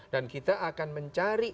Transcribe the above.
dan kita akan mencari